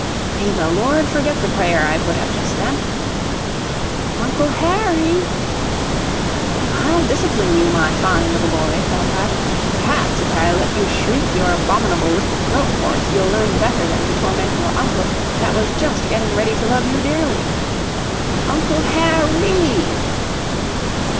May the Lord forget the prayer I put up just then! "Uncle Harry!" "I'll discipline you, my fine little boy," thought I. "Perhaps, if I let you shriek your abominable little throat hoarse, you'll learn better than to torment your uncle, that was just getting ready to love you dearly." "Uncle Har RAY!"